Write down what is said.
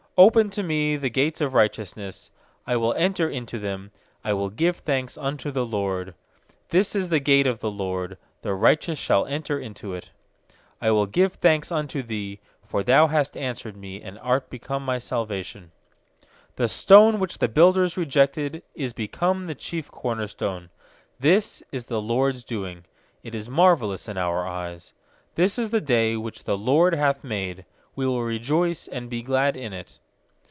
190pen to me the gates of righteous I will enter into them, I will give thanks unto the LORD. 20This is the gate of the LORD; The righteous shall enter into it. S61 118 21 PSALMS 21I will give thanks unto Thee, for Thou hast answered me, And art become my salvation. stone which the builders re jected Is become the chief corner stone. is the LORD'S doing; It is marvellous in our eyes. 24This is the day which the LORD hath made; We will rejoice and be glad in it.